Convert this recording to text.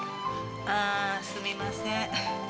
あー、すみません。